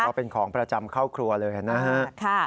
เพราะเป็นของประจำเข้าครัวเลยนะฮะ